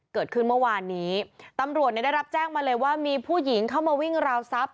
เกิดขึ้นเมื่อวานนี้ตำรวจเนี่ยได้รับแจ้งมาเลยว่ามีผู้หญิงเข้ามาวิ่งราวทรัพย